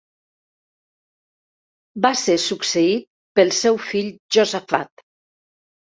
Va ser succeït pel seu fill Josafat.